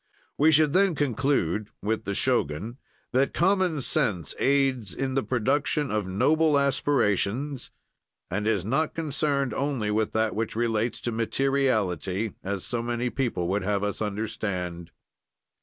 We should then conclude, with the Shogun, that common sense aids in the production of noble aspirations, and is not concerned only with that which relates to materiality, as so many people would have us understand.